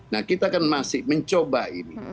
nah kita kan masih mencoba ini